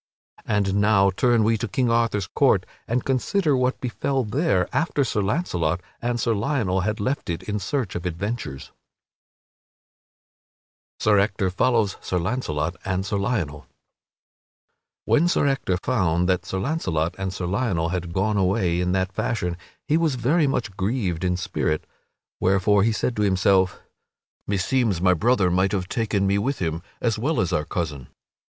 And now turn we to King Arthur's court and consider what befell there after Sir Launcelot and Sir Lionel had left it in search of adventures. [Sidenote: Sir Ector follows Sir Launcelot and Sir Lionel] When Sir Ector found that Sir Launcelot and Sir Lionel had gone away in that fashion he was very much grieved in spirit; wherefore he said to himself, "Meseems my brother might have taken me with him as well as our cousin."